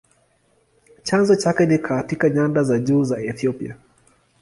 Chanzo chake ni katika nyanda za juu za Ethiopia.